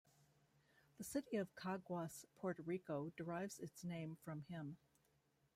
The city of Caguas, Puerto Rico derives its name from him.